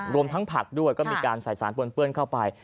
รวมทั้งผักด้วยก็มีการใส่สารปนเปื้อนเข้าไป